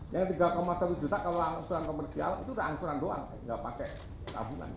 yang tiga satu juta kalau angsuran komersial itu udah angsuran doang nggak pakai tabungan